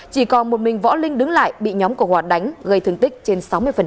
chỉ còn một mình võ linh đứng lại bị nhóm của hòa đánh gây thương tích trên sáu mươi